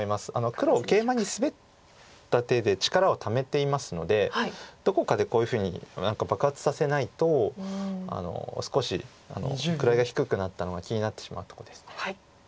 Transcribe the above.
黒ケイマにスベった手で力をためていますのでどこかでこういうふうに何か爆発させないと少し位が低くなったのが気になってしまうとこです。